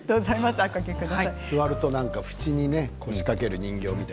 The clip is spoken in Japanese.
座ると縁に腰かける人形みたい。